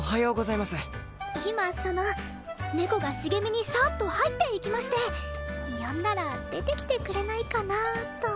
今その猫が茂みにサーッと入っていきまして呼んだら出てきてくれないかなと。